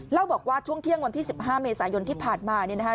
เล่าบอกว่าช่วงเที่ยงวันที่๑๕เมษายนที่ผ่านมาเนี่ยนะคะ